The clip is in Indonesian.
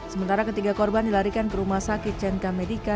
sementara ketiga korban dilarikan ke rumah sakit chenka medica